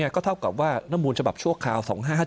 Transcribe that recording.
ก็เท่ากับว่าน้ำมูลฉบับชั่วคราว๒๕๕๗